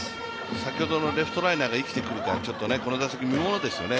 先ほどのレフトライナーが生きてくるからこの打席、見物ですね。